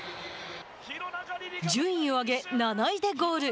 順位を上げ７位でゴール。